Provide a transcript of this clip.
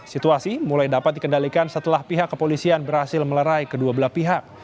situasi mulai dapat dikendalikan setelah pihak kepolisian berhasil melerai kedua belah pihak